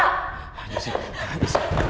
aku tau sebenernya abang itu apa